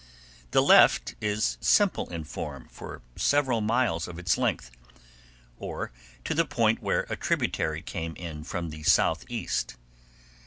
The left is simple in form for several miles of its length, or to the point where a tributary came in from the southeast.